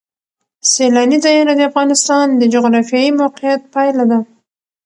سیلانی ځایونه د افغانستان د جغرافیایي موقیعت پایله ده.